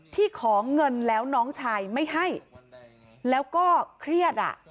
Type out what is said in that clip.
ที่ขอเงินแล้วน้องชายไม่ให้แล้วก็เครียดอ่ะ